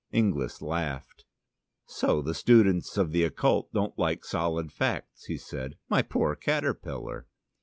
Inglis laughed. "So the students of the occult don't like solid facts," he said. "My poor caterpillar!"